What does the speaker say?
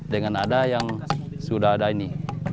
dengan ada yang sudah ada ini